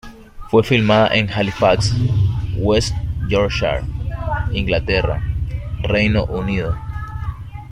Fue filmada en Halifax, West Yorkshire, Inglaterra, Reino Unido.